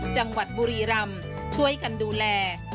จังหวัดบุรีรำช่วยกันดูแล